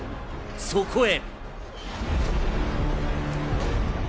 そこへ。